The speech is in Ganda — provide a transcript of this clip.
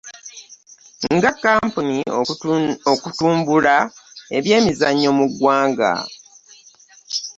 Nga kkampuni okutumbula eby'emizannyo mu ggwanga.